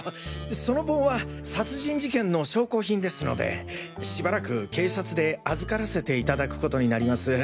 その盆は殺人事件の証拠品ですのでしばらく警察で預からせていただくことになります。